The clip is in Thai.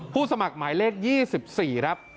สมัครหมายเลข๒๔ครับ